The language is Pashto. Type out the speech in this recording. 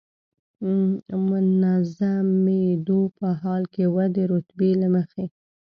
منظمېدو په حال کې و، د رتبې له مخې.